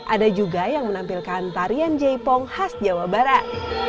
ada juga yang menampilkan tarian jaipong khas jawa barat